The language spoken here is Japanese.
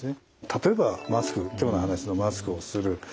例えばマスク今日の話のマスクをする。